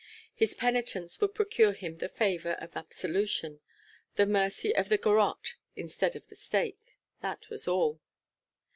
His penitence would procure him the favour of absolution the mercy of the garotte instead of the stake; that was all.